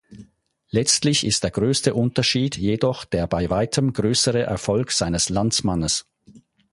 Letztlich ist der größte Unterschied jedoch der bei weitem größere Erfolg seines Landsmannes.